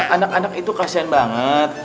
anak anak itu kasian banget